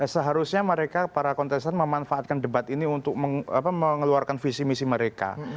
seharusnya mereka para kontestan memanfaatkan debat ini untuk mengeluarkan visi misi mereka